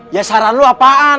ya saran lu apaan